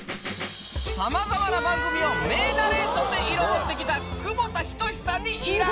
さまざまな番組を名ナレーションで彩ってきた窪田等さんに依頼。